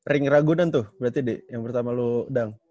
ring ragunan tuh berarti deh yang pertama lu dang